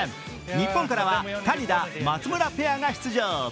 日本からは谷田・松村ペアが出場。